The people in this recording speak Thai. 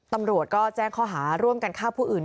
ตำรวจก็แจ้งข้อหาร่วมกันฆ่าผู้อื่น